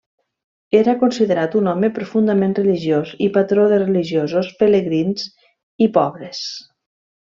Era considerat un home profundament religiós i patró de religiosos, pelegrins i pobres.